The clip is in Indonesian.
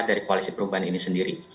dari koalisi perubahan ini sendiri